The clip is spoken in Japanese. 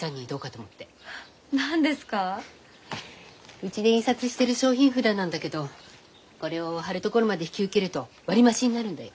うちで印刷してる商品札なんだけどこれを貼るところまで引き受けると割り増しになるんだよ。